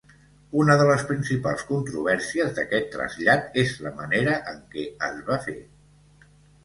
Una de les principals controvèrsies d'aquest trasllat és la manera en què es va fer.